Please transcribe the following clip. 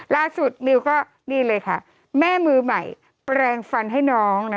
มิวก็นี่เลยค่ะแม่มือใหม่แปลงฟันให้น้องนะ